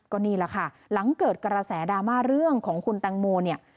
ก็นี่แหละค่ะหลังเกิดกระแสดราม่าเรื่องของคุณแตงโมเนี่ย